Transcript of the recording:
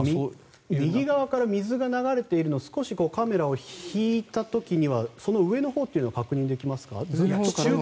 右側から水が流れているのがカメラを少し引いた時にその上のほうは確認できますか？